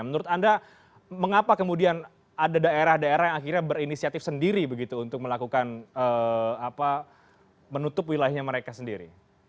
menurut anda mengapa kemudian ada daerah daerah yang akhirnya berinisiatif sendiri begitu untuk melakukan menutup wilayahnya mereka sendiri